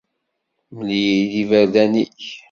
Mel-iyi iberdan-ik.